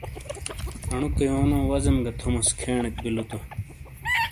انوکے یونو وازیم گہ تھوموس کھینیک بیلو تو ۔